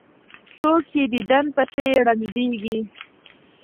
څوک یې دیدن پسې ړندیږي.